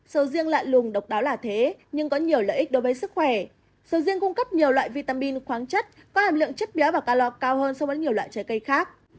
sầu riêng lạ lùng độc đáo là thế nhưng có nhiều lợi ích đối với sức khỏe sầu riêng cung cấp nhiều loại vitamin khoáng chất có hàm lượng chất mía và cala cao hơn so với nhiều loại trái cây khác